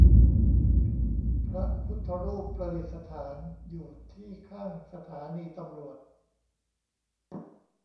พระพุทธรูปประดิษฐานอยู่ที่ข้างสถานีตำรวจ